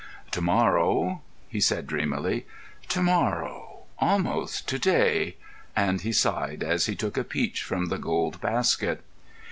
"To morrow," he said, dreamily; "to morrow—almost to day," and he sighed as he took a peach from the gold basket.